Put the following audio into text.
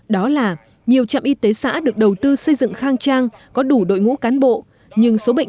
đó là nhiều trạm y tế xã được đầu tư xây dựng khang trang có đủ đội ngũ cán bộ nhưng số bệnh